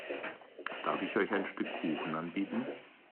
Darf ich euch ein Stück Kuchen anbieten?